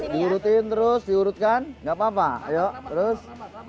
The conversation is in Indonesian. diurutin terus diurutkan nggak apa apa ayo terus